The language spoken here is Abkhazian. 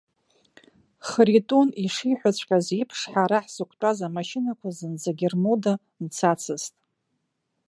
Хритон ишиҳәаҵәҟьаз еиԥш ҳара ҳзықәтәаз амашьынақәа зынӡагьы рмода мцацызт.